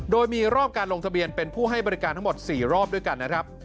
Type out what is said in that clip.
โดยมีรอบการลงทะเบียนเป็นผู้ให้บริการทั้งหมด๔รอบด้วยกันนะครับ